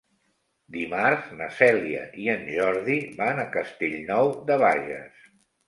Dimarts na Cèlia i en Jordi van a Castellnou de Bages.